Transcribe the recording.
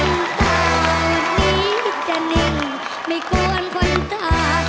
วันนี้จะนิ่งไม่กวนควันตา